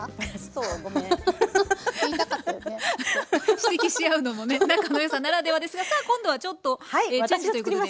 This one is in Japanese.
指摘し合うのもね仲のよさならではですがさあ今度はちょっとチェンジということで。